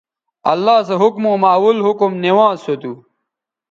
اللہ سو حکموں مہ اول حکم نوانز سو تھو